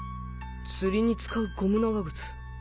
釣りに使うゴム長靴。